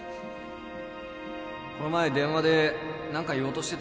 この前電話で何か言おうとしてたよな？